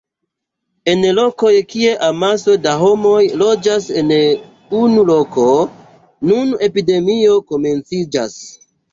En lokoj kie amaso da homoj loĝas en unu loko, nun epidemio komenciĝas.